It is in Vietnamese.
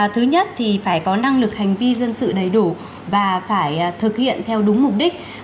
thứ nhất thì phải có năng lực hành vi dân sự đầy đủ và phải thực hiện theo đúng mục đích